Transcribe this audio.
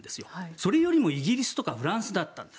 それよりもイギリスとかフランスだったんです。